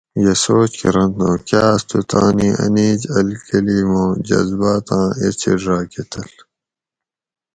یہ سوچ کرنت ھوں کاس تو تانی انیج الکلی ماں جزباۤتاں ایسڈ راۤکہ تل